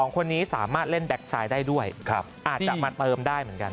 ๒คนนี้สามารถเล่นแก๊กไซด์ได้ด้วยอาจจะมาเติมได้เหมือนกัน